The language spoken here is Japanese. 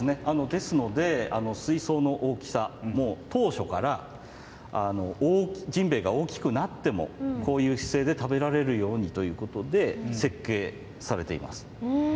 ですので水槽の大きさも当初からジンベエが大きくなってもこういう姿勢で食べられるようにということで設計されています。